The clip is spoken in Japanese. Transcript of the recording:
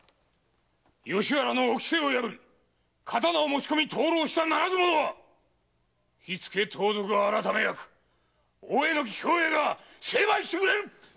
吉原の掟を破り刀を持ち込み登楼したならず者は火付盗賊改役・大榎兵衛が成敗してくれる！